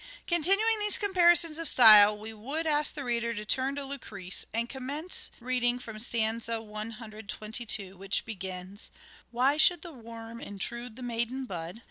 Continuing these comparisons of style we would stanzas ask the reader to turn to " Lucrece," and commence reading from stanza 122, which begins :—'' Why should the worm intrude the maiden bud